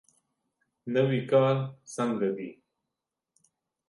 نوی کار څنګه دی؟